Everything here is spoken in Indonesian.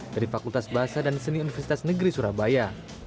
dari fakultas bahasa dan seni universitas negeri surabaya